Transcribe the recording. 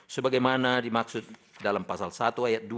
sebagaimana dimaksud dalam pasal satu ayat dua